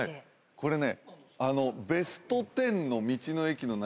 これね。